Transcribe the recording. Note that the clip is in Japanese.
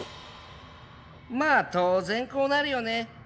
まあ当然こうなるよね。